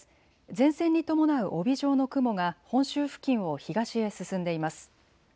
前線に伴う帯状の雲が本州付近を東へ進んでいます。